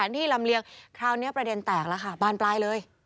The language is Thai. ที่ลำเลียงคราวนี้ประเด็นแตกแล้วค่ะบานปลายเลย